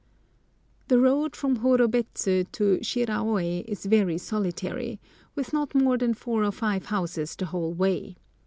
The road from Horobets to Shiraôi is very solitary, with not more than four or five houses the whole way.